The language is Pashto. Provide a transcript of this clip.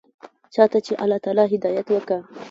چا ته چې الله تعالى هدايت وکا.